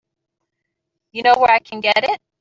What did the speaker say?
You know where I can get it?